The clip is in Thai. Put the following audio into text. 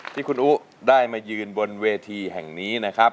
ที่คุณอุ๊ได้มายืนบนเวทีแห่งนี้นะครับ